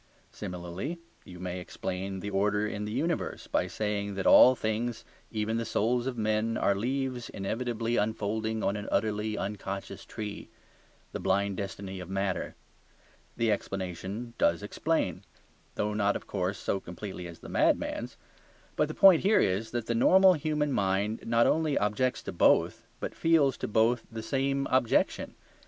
Similarly you may explain the order in the universe by saying that all things, even the souls of men, are leaves inevitably unfolding on an utterly unconscious tree the blind destiny of matter. The explanation does explain, though not, of course, so completely as the madman's. But the point here is that the normal human mind not only objects to both, but feels to both the same objection.